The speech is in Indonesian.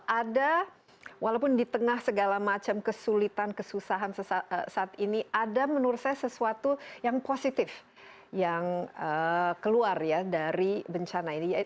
ada walaupun di tengah segala macam kesulitan kesusahan saat ini ada menurut saya sesuatu yang positif yang keluar ya dari bencana ini